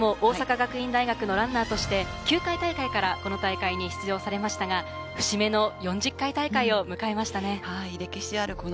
大阪学院大学、ランナーとして９回大会からこの大会に出場されましたが、節目の４０回大会を迎えましたね。